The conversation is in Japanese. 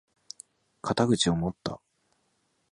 肩口を持った！